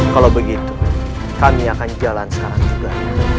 kalau begitu kami akan jalan sekarang juga